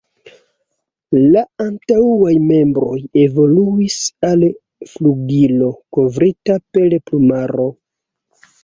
La antaŭaj membroj evoluis al flugilo kovrita per plumaro.